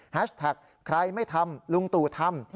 แท็กใครไม่ทำลุงตู่ทำ